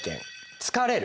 「疲れる」。